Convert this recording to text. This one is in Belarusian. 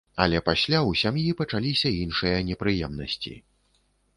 Але пасля ў сям'і пачаліся іншыя непрыемнасці.